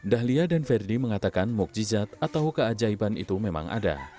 dahlia dan verdi mengatakan mukjizat atau keajaiban itu memang ada